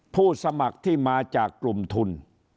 ผู้สมัครที่มาจากกลุ่มทุน